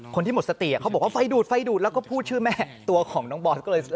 คนที่หมดสติเขาบอกว่าไฟดูดไฟดูดแล้วก็พูดชื่อแม่ตัวของน้องบอสก็เลย